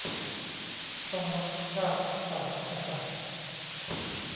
ต้องรัก ชาติ ศาสน์ กษัตริย์